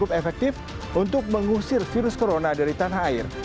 untuk mengusir virus corona dari tanah air